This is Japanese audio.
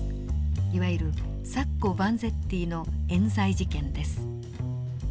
いわゆるサッコバンゼッティの寃罪事件です。